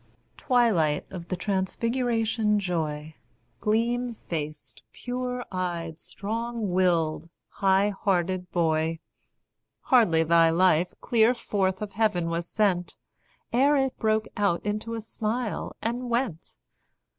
Twilight of the transfiguration joy, Gleam faced, pure eyed, strong willed, high hearted boy! Hardly thy life clear forth of heaven was sent, Ere it broke out into a smile, and went.